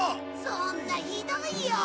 そんなひどいよ！